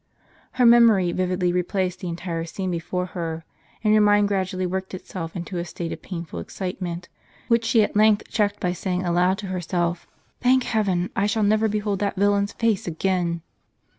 Her memory vividly replaced the entire scene before her, and her mind gradually worked itself into a state of painful excitement, which she at length checked by saying aloud to herself: "Thank heaven! I shall never behold that villain's face again."